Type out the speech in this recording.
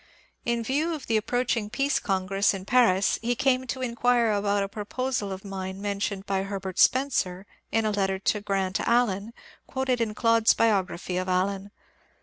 In view of the approaching Peace Congress in Paris he came to in quire about a proposal of mine mentioned by Herbert Spencer in a letter to Grant Allen quoted in Clodd^s biography of Allen.